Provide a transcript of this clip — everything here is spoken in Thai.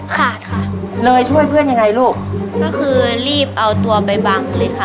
ขาดค่ะเลยช่วยเพื่อนยังไงลูกก็คือรีบเอาตัวไปบังเลยค่ะ